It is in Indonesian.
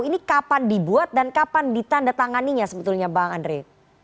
ini kapan dibuat dan kapan ditanda tanganinya sebetulnya bang andre